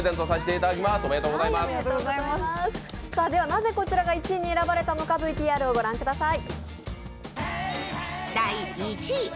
なぜこちらが１位に選ばれたのか、ＶＴＲをご覧ください。